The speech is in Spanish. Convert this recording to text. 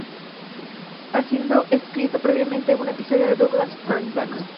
Habiendo escrito previamente un episodio de "Douglas Fairbanks, Jr.